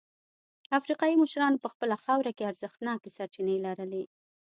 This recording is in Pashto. افریقايي مشرانو په خپله خاوره کې ارزښتناکې سرچینې لرلې.